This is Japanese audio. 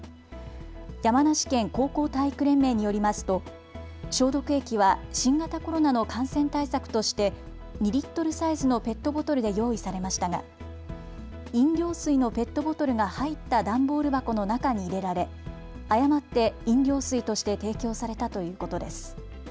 山梨県高校体育連盟によりますと消毒液は新型コロナの感染対策として２リットルサイズのペットボトルで用意されましたが飲料水のペットボトルが入った段ボール箱の中に入れられ誤って飲料水として提供されたということです。